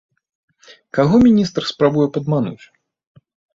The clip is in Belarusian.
Каго міністр спрабуе падмануць?